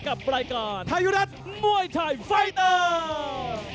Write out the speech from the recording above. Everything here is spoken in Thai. กับรายการไทยรัฐมวยไทยไฟเตอร์